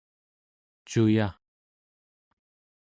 cuya